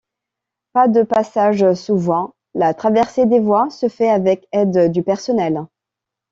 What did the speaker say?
Pas de passage sous voies, la traversée des voies se fait avec aide du personnel.